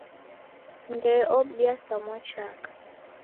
Ndee obia sa mwachaka.